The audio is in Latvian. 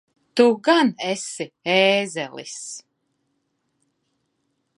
Tu gan esi ēzelis!